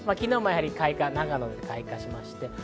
昨日もやはり長野で開花しました。